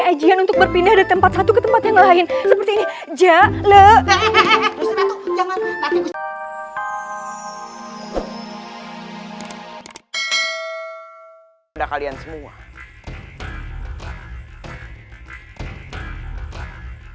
kebijakan untuk berpindah dari tempat satu ke tempat yang lain seperti ini jahat lewat